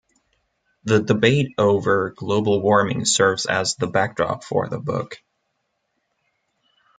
The debate over global warming serves as the backdrop for the book.